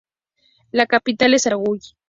La capital es Aarau.